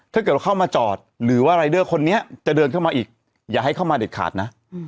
ถ้าเกิดว่าเข้ามาจอดหรือว่ารายเดอร์คนนี้จะเดินเข้ามาอีกอย่าให้เข้ามาเด็ดขาดนะ